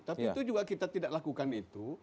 tapi itu juga kita tidak lakukan itu